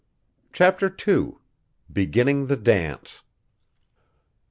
Chapter II. BEGINNING THE DANCE.